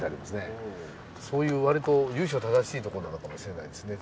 そういうわりと由緒正しいとこなのかもしれないですね。